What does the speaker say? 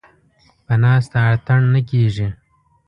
ـ په ناسته اتڼ نه کېږي.